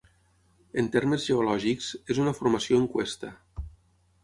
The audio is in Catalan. En termes geològics, és una formació en cuesta.